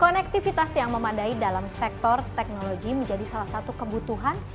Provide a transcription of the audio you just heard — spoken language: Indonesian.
konektivitas yang memadai dalam sektor teknologi menjadi salah satu kebutuhan